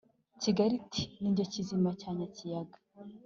kigali iti: ni jye kizima cya nyakiyaga